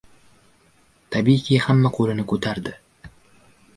Tabiiyki, hamma qoʻlini koʻtardi.